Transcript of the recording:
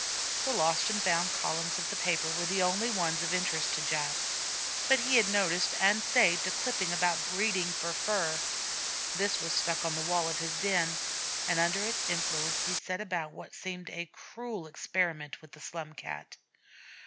The 'Lost and Found' columns of the papers were the only ones of interest to Jap, but he had noticed and saved a clipping about 'breeding for fur.' This was stuck on the wall of his den, and under its influence he set about what seemed a cruel experiment with the Slum Cat.